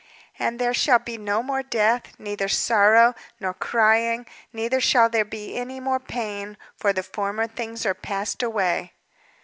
"'And there shall be no more death, neither sorrow, nor crying: neither shall there be any more pain; for the former things are passed away.